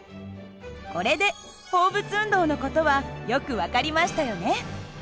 これで放物運動の事はよく分かりましたよね。